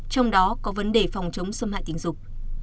trong đó có vấn đề phòng chống xâm hại tình dục